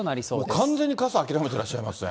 完全に傘諦めてらっしゃいますね。